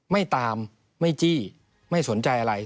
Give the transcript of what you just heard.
ไม่ตามไม่จี้ไม่สนใจอะไร